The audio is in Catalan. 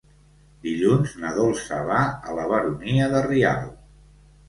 Dilluns na Dolça va a la Baronia de Rialb.